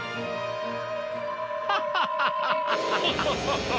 ハハハハハ！